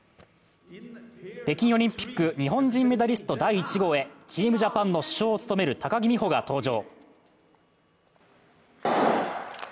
北京オリンピック日本人メダリスト第１号へ、チームジャパンの主将を務める高木美帆が登場。